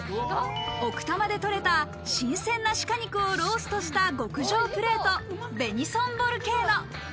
奥多摩で取れた新鮮な鹿肉をローストした極上プレート、ベニソンボルケーノ。